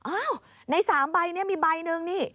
อ้าวใน๓ใบนี้มีใบหนึ่งนี่